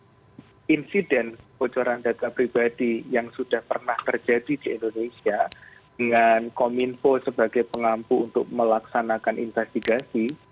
ada insiden kebocoran data pribadi yang sudah pernah terjadi di indonesia dengan kominfo sebagai pengampu untuk melaksanakan investigasi